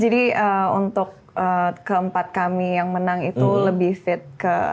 jadi untuk keempat kami yang menang itu lebih fit ke